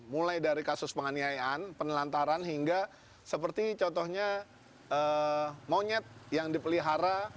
mulai dari kasus penganiayaan penelantaran hingga seperti contohnya monyet yang dipelihara